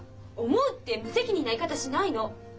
「思う」って無責任な言い方しないの！